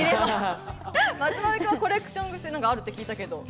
松丸君はコレクショングセがあるって聞いたけど。